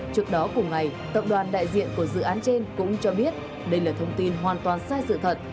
trước đó cùng ngày tập đoàn đại diện của dự án trên cũng cho biết đây là thông tin hoàn toàn sai sự thật